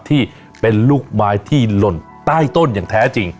ที่เป็นลูกไม้ที่หล่นใต้ต้นอย่างแท้จริง